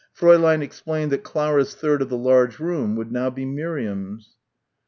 Fräulein indicated that Clara's third of the large room would now be Miriam's.